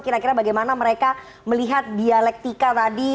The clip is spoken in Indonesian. kira kira bagaimana mereka melihat dialektika tadi